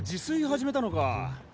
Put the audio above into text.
すい始めたのか。